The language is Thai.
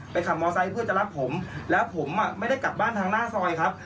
ขับมอไซค์เพื่อจะรับผมแล้วผมอ่ะไม่ได้กลับบ้านทางหน้าซอยครับ